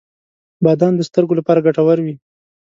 • بادام د سترګو لپاره ګټور وي.